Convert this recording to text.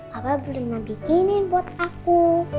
papa pernah bikinin buat aku